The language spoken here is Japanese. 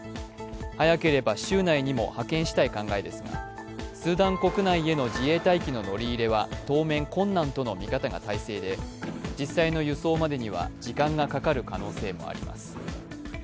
早ければ週内にも派遣したい考えですがスーダン国内への自衛隊機の乗り入れは当面困難との見方が大勢で実際の輸送までには時間がかかる可能性もあります。